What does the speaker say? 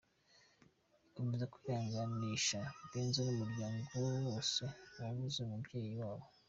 ikomeje kwihanganisha Benzo numuryango we wose wabuze umubyeyi wabo.